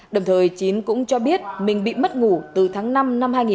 đồng thời chín cũng cho biết mình bị mất ngủ từ tháng năm năm hai nghìn một mươi